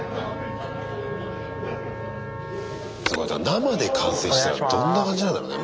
生で観戦したらどんな感じなんだろうね。